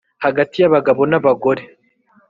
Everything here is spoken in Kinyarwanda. Hagati y abagabo n abagore